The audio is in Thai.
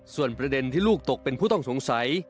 ส่วนประเด็นที่ลูกตกเป็นผู้ต้องสงสัย